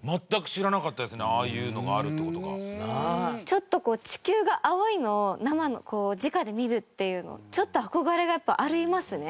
ちょっとこう地球が青いのを生のじかで見るっていうのちょっと憧れがやっぱありますね。